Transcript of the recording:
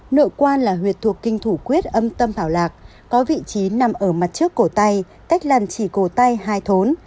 nội quan là huyệt thuộc kinh thủ quyết âm tâm bảo lạc có vị trí nằm ở mặt trước cổ tay cách làn chỉ cổ tay hai thốn